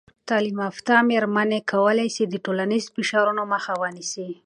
تعلیم یافته میرمنې کولی سي د ټولنیز فشارونو مخه ونیسي.